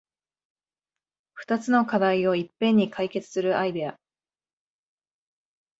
ふたつの課題をいっぺんに解決するアイデア